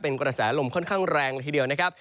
เป็นกระแสลมค่อนข้างแรงละทีเดียวนะครับ